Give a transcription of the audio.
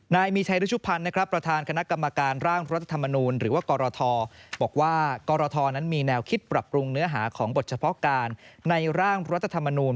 นายมีชัยรุชุพันธ์นะครับประธานคณะกรรมการร่างรัฐธรรมนูลหรือว่ากรทบอกว่ากรทนั้นมีแนวคิดปรับปรุงเนื้อหาของบทเฉพาะการในร่างรัฐธรรมนูล